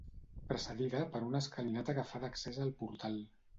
Precedida per una escalinata que fa d'accés al portal.